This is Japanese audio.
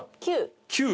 ９。